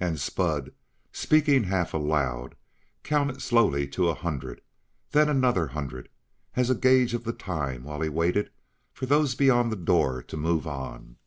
And Spud, speaking half aloud, counted slowly to a hundred, then another hundred, as a gage of the time while he waited for those beyond the door to move on.